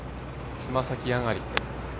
つま先上がり。